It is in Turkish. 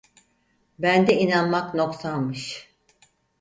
Bende inanmak noksanmış…